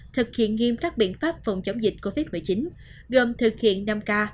thực hiện nghiêm các biện pháp phòng chống dịch covid một mươi chín gồm thực hiện năm k